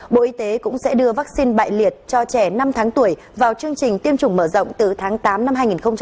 bộ y tế cũng sẽ đưa vaccine bại liệt cho trẻ năm tháng tuổi vào chương trình tiêm chủng mở rộng từ tháng tám năm hai nghìn hai mươi